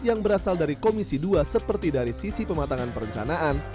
yang berasal dari komisi dua seperti dari sisi pematangan perencanaan